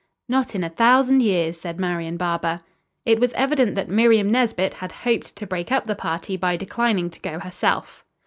"Not in a thousand years," said Marian Barber. It was evident that Miriam Nesbit had hoped to break up the party by declining to go herself.